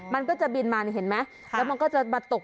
มันก็จะบินมานี่เห็นมั๊นก็จะมาตก